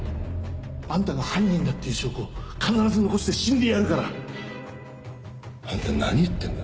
あんたが犯人だっていう証拠を必ず残して死んでやるから！あんた何言ってんだ？